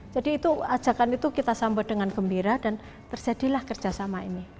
jadi itu ajakan itu kita sambut dengan gembira dan terjadilah kerjasama ini